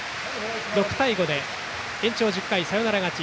６対５延長１０回、サヨナラ勝ち。